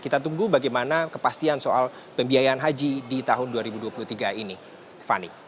kita tunggu bagaimana kepastian soal pembiayaan haji di tahun dua ribu dua puluh tiga ini fani